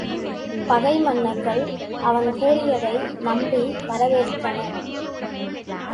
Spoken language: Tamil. பகை மன்னர்கள் அவன் கூறியதை நம்பி வரவேற்றனர்.